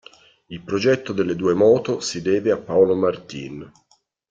Il progetto delle due moto si deve a Paolo Martin.